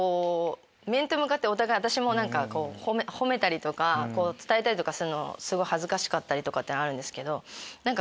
面と向かって私も褒めたりとか伝えたりとかするのすごい恥ずかしかったりとかっていうのあるんですけど。